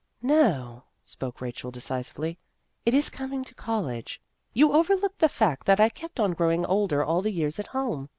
" No," spoke Rachel decisively, " it is coming to college. You overlook the fact that I kept on growing older all the years at home.